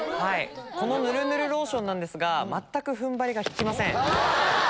このヌルヌルローションなんですが全く踏ん張りが利きません。